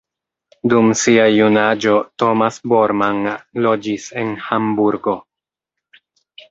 Dum sia junaĝo Thomas Bormann loĝis en Hamburgo.